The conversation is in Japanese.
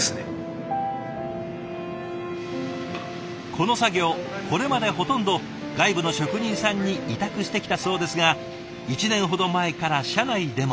この作業これまでほとんど外部の職人さんに委託してきたそうですが１年ほど前から社内でも。